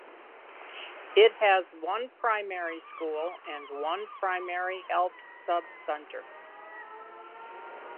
It has one primary school and one primary health sub centre.